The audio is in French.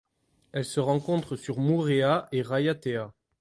Elle se rencontre sur Moorea et Raiatea.